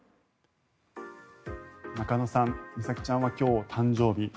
中野さん、美咲ちゃんは今日誕生日。